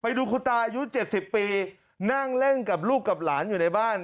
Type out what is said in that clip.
ดูคุณตาอายุ๗๐ปีนั่งเล่นกับลูกกับหลานอยู่ในบ้าน